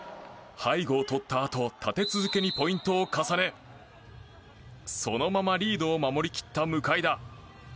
背後を取ったあと立て続けにポイントを重ねそのままリードを守り切った向田。